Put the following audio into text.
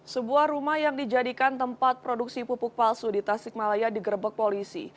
sebuah rumah yang dijadikan tempat produksi pupuk palsu di tasikmalaya digerebek polisi